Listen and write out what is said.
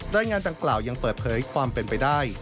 รายงานดังกล่าวยังเปิดเผยความเป็นไปได้